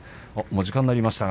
時間になりました。